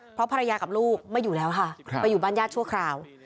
เพราะภรรยากับลูกไม่อยู่แล้วค่ะไปอยู่บ้านญาติชั่วคราว